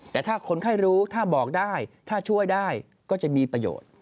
แต่ถ้าคนไข้รู้ถ้าบอกได้ถ้าช่วยได้ก็จะมีประโยชน์